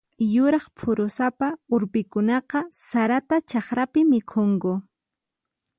Yuraq phurusapa urpikunaqa sarata chakrapi mikhunku.